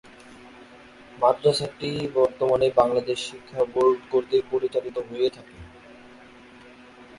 মাদ্রাসাটি বর্তমানে বাংলাদেশ মাদ্রাসা শিক্ষাবোর্ড কতৃক পরিচালিত হয়ে থাকে।